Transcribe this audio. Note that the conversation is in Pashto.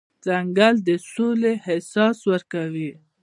ځنګل د سولې احساس ورکوي.